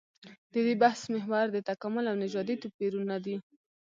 د دې بحث محور د تکامل او نژادي توپيرونه دي.